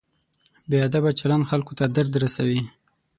بې ادبه چلند خلکو ته درد رسوي.